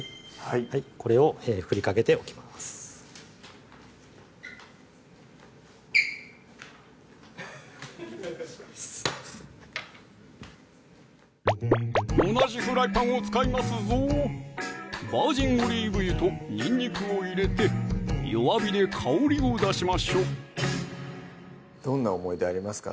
これをふりかけておきます同じフライパンを使いますぞバージンオリーブ油とにんにくを入れて弱火で香りを出しましょうどんな思い出ありますか？